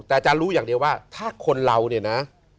แต่อาจารย์รู้อย่างเดียวว่าถ้าคนเราเนี่ยนะ